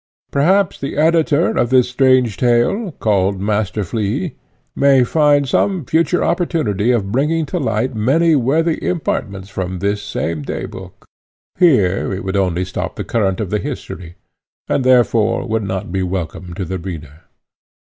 Perhaps the editor of this strange tale, called Master Flea, may find some future opportunity of bringing to light many worthy impartments from this same day book; here it would only stop the current of the history, and, therefore, would not be welcome to the reader.